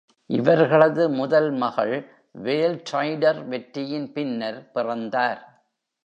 இவர்களது முதல் மகள் "வேல் ரைடர்" வெற்றியின் பின்னர் பிறந்தார்.